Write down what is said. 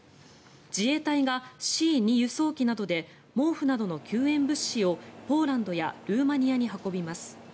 自衛隊がＣ２輸送機などで毛布などの救援物資をポーランドやルーマニアに運びます。